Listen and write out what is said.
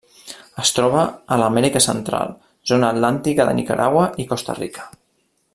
Es troba a l'Amèrica Central: zona atlàntica de Nicaragua i Costa Rica.